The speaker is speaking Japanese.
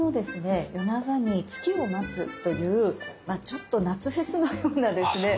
夜長に月を待つというちょっと夏フェスのようなですね